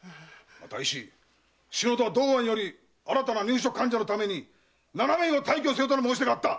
医師・篠田道庵より新たな入所患者のために七名を退去せよとの申し出があった！